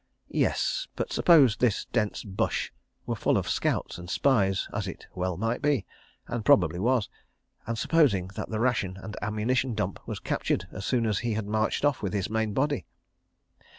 ... Yes, but suppose this dense bush were full of scouts and spies, as it well might be, and probably was, and supposing that the ration and ammunition dump was captured as soon as he had marched off with his main body?